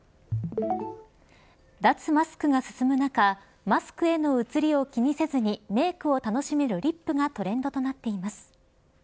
脱マスクが進む中マスクへの移りを気にせずにメークを楽しめるリップがトレンドとなっています。